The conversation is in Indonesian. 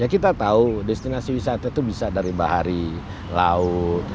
kita tahu destinasi wisata itu bisa dari bahari laut